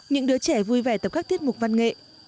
những đứa trẻ vui vẻ tập các tiết mục văn nghệ